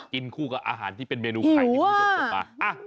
กินคู่กับอาหารที่เป็นเมนูไข่อยู่ว่ะ